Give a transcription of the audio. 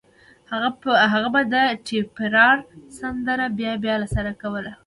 هغه به د ټيپيراري سندره بيا بيا له سره کوله